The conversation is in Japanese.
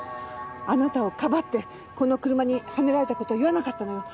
あなたをかばってこの車にはねられた事を言わなかったのよ。